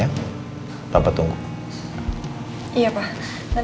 ada apa kok ketemu sama nino